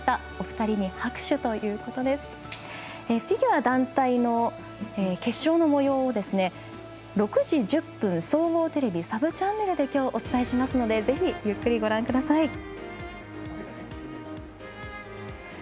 フィギュア団体の決勝のもようを６時１０分、総合テレビサブチャンネルで今日、お伝えしますのでぜひゆっくりご覧ください。